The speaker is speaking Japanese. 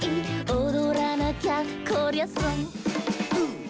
「おどらなきゃこりゃソン」ウ！